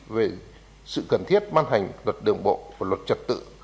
về sự cần thiết ban hành luật đường bộ và luật trật tự